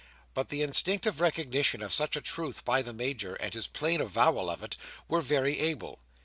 But the instinctive recognition of such a truth by the Major, and his plain avowal of it, were very able.